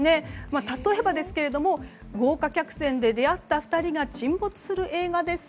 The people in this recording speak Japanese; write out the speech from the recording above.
例えば、豪華客船で出会った２人が沈没する映画です